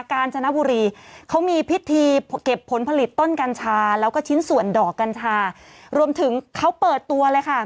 กาญจนบุรีเขามีพิธีเก็บผลผลิตต้นกัญชาแล้วก็ชิ้นส่วนดอกกัญชารวมถึงเขาเปิดตัวเลยค่ะ